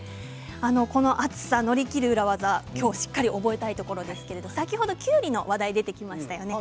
この暑さを乗り切る裏技しっかり覚えたいところですけれども先ほどきゅうりの話題が出てきましたね。